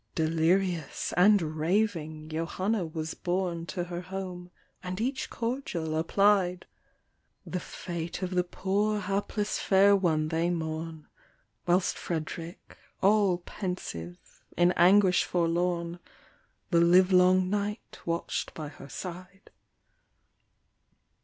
Delirious and raving , Johanna was borne To her home, and each cordial applied ; The fate of the poor hapless fair one they mourn, Whilst Fred'rick, all pensive, in anguish forlorn, The live long night watch'd by her side.